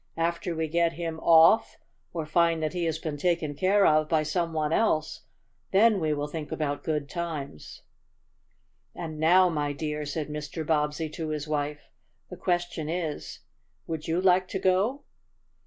After we get him off, or find that he has been taken care of by some one else, then we will think about good times. "And now, my dear," said Mr. Bobbsey to his wife, "the question is, would you like to go?"